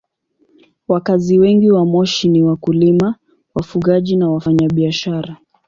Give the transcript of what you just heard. Wakazi wengi wa Moshi ni wakulima, wafugaji na wafanyabiashara.